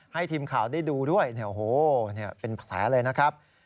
ให้ทีมข่าวได้ดูด้วยเป็นแผลเลยนะครับ